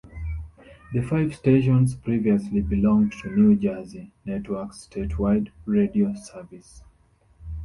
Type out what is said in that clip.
The five stations previously belonged to New Jersey Network's statewide radio service.